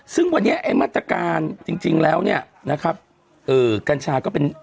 ซึ่งวันนี้ไอ้มาตรการจริงแล้วเนี่ยนะครับเอ่อกัญชาก็เป็น